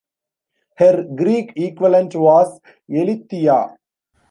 Her Greek equivalent was Eileithyia.